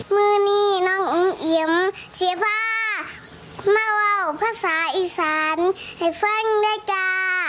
มือนี้น้องอิงเอียมเสียบ้ามาว่าวภาษาอีสานให้ฟังด้วยจ้า